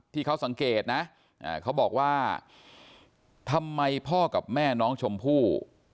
ที่เขาสังเกตนะเขาบอกว่าทำไมพ่อกับแม่น้องชมพู่